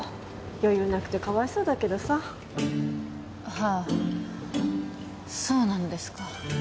余裕なくてかわいそうだけどさはあそうなのですか